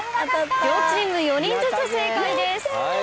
両チーム４人ずつ正解です。